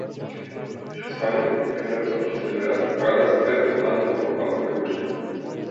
En España, excepto en las primeras temporadas es doblado por Juan Perucho.